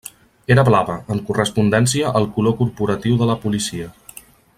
Era blava, en correspondència al color corporatiu de la Policia.